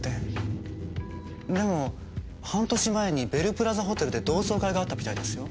でも半年前にベルプラザホテルで同窓会があったみたいですよ。